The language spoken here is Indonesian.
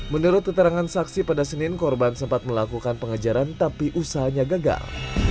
menurut keterangan saksi pada senin korban sempat melakukan pengejaran tapi usahanya gagal